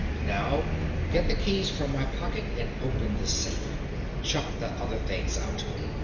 "Now get the keys from my pocket and open the safe. Chuck the other things out.